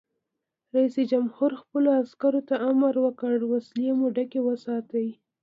رئیس جمهور خپلو عسکرو ته امر وکړ؛ وسلې مو ډکې وساتئ!